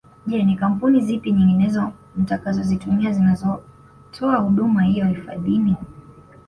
Je ni Kampuni zipi nyinginezo mtakazozitumia zinazotoa huduma hiyo hifadhini